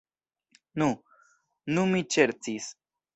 Nu, nu, mi ŝercis.